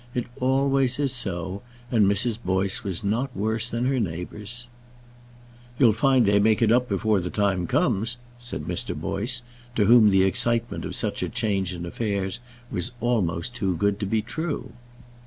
It always is so, and Mrs. Boyce was not worse than her neighbours. "You'll find they'll make it up before the time comes," said Mr. Boyce, to whom the excitement of such a change in affairs was almost too good to be true.